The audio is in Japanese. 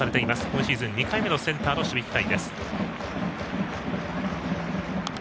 今シーズン２回目のセンターの守備機会。